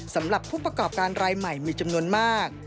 สำหรับผู้ประกอบการรายใหม่มีจำนวนมาก